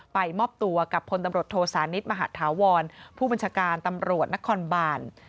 มอบตัวกับพลตำรวจโทสานิทมหาธาวรผู้บัญชาการตำรวจนครบาน